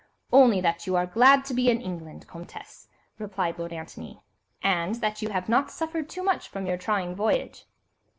"Only that you are glad to be in England, Comtesse," replied Lord Antony, "and that you have not suffered too much from your trying voyage."